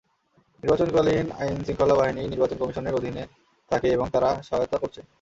নির্বাচনকালীন আইনশৃঙ্খলা বাহিনী নির্বাচন কমিশনের অধীনে থাকে এবং তারা সহায়তা করছে।